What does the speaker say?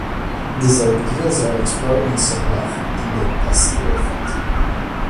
These ideas are explored in some depth in "The Placebo Effect".